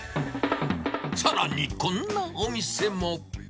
さらにこんなお店も。